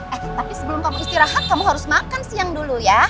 eh tapi sebelum kamu istirahat kamu harus makan siang dulu ya